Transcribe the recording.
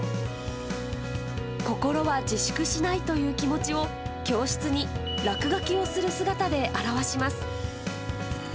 心は自粛しないという気持ちを、教室に落書きをする姿で表します。